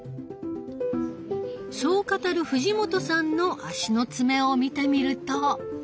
そう語る藤本さんの足の爪を見てみると。